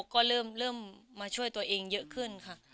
ก็เริ่มมาช่วยตัวเองเยอะขึ้นค่ะ